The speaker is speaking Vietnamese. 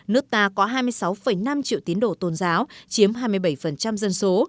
nước ta có hai mươi sáu năm triệu tiến đồ tôn giáo chiếm hai mươi bảy dân số